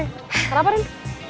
hai kenapa rin